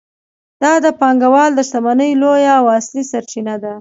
دا د پانګوال د شتمنۍ لویه او اصلي سرچینه ده